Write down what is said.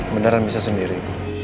beneran bisa sendiri